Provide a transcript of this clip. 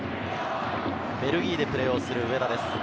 ベルギーでプレーをする上田です。